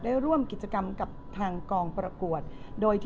ร่วมกิจกรรมกับทางกองประกวด